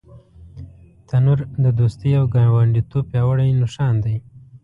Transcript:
تنور د دوستۍ او ګاونډیتوب پیاوړی نښان دی